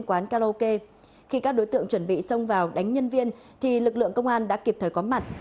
các đối tượng chuẩn bị xong vào đánh nhân viên thì lực lượng công an đã kịp thời có mặt